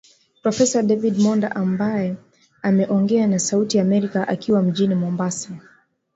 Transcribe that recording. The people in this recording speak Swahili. Profesa David Monda ambae ameongea na Sauti ya Amerika akiwa mjini Mombasa